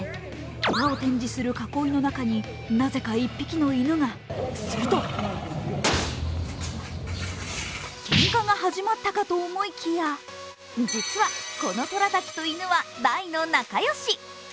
虎を展示する囲いの中になぜか１匹の犬が、するとけんかが始まったかと思いきや、実はこの虎たちと犬は大の仲良し。